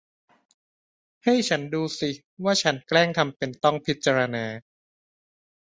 ให้ฉันดูสิว่าฉันแกล้งทำเป็นต้องพิจารณา